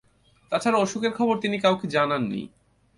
তা ছাড়া অসুখের খবর তিনি কাউকে জানান নি।